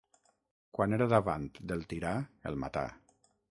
Quan era davant del tirà el matà.